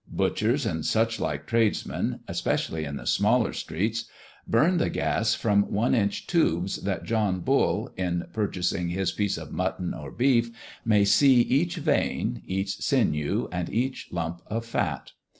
Butchers, and such like tradesmen, especially in the smaller streets, burn the gas from one inch tubes, that John Bull, in purchasing his piece of mutton or beef, may see each vein, each sinew, and each lump of fat.